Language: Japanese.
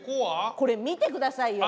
これ見てくださいよ。